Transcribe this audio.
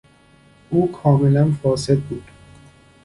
او کاملا فاسد بود.